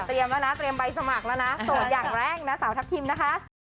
แล้วนะเตรียมใบสมัครแล้วนะโสดอย่างแรกนะสาวทัพทิมนะคะ